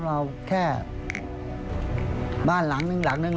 เราแค่บ้านหลังนึงหลังนึง